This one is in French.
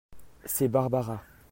C'est Barbara.